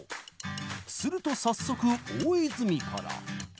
すると早速、大泉から。